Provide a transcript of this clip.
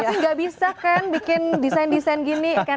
tapi gak bisa kan bikin desain desain gini